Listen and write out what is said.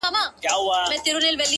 • ككرۍ چي يې وهلې د بتانو,